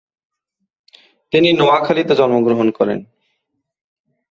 তিনি নোয়াখালীতে জন্মগ্রহণ করেন।